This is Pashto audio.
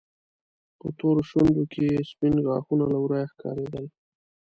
په تورو شونډو کې يې سپين غاښونه له ورايه ښکارېدل.